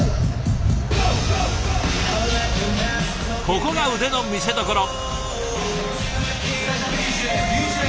ここが腕の見せどころ。